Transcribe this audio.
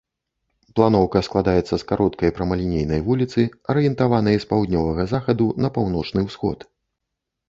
Планоўка складаецца з кароткай прамалінейнай вуліцы, арыентаванай з паўднёвага захаду на паўночны ўсход.